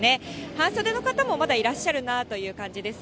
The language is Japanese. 半袖の方もまだいらっしゃるなという感じです。